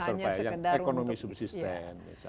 atau hanya sekedar untuk ekonomi subsisten